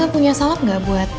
tante punya salam gak buat